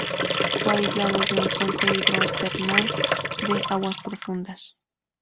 Fue aislado de un fuente hidrotermal de aguas profundas.